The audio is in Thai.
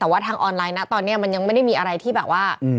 แต่ว่าทางออนไลน์นะตอนนี้มันยังไม่ได้มีอะไรที่แบบว่า